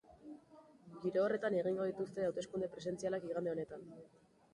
Giro horretan egingo dituzte hauteskunde presidentzialak igande honetan.